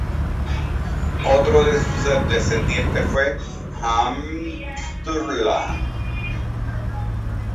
Otro de sus descendientes fue Hvammr-Sturla.